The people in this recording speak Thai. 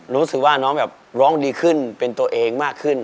รู้สึกว่าน้องแบบร้องดีขึ้นเป็นตัวเองมากขึ้น